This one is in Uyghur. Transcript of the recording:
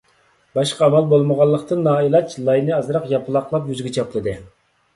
باشقا ئامال بولمىغانلىقتىن، نائىلاج لاينى ئازراق ياپىلاقلاپ يۈزىگە چاپلىدى.